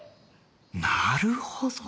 なるほど！